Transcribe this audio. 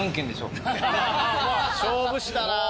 勝負師だな。